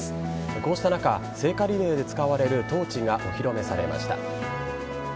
こうした中聖火リレーで使われるトーチがお披露目されました。